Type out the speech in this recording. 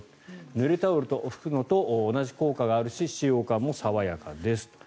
ぬれタオルで拭くのと同じ効果があるし使用感も爽やかです。